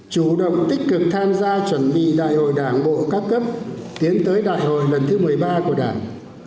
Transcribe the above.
chủ động tích cực tham gia chuẩn bị đại hội đảng bộ các cấp tiến tới đại hội lần thứ một mươi ba của đảng